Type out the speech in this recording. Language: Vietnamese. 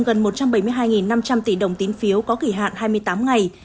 gần một trăm bảy mươi hai năm trăm linh tỷ đồng tín phiếu có kỷ hạn hai mươi tám ngày